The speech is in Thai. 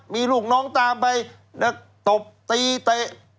มีลูกน้องตามไปตบตีเตะ